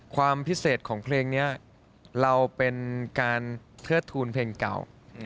ความพิเศษของเพลงนี้เราเป็นการเทิดทูลเพลงเก่า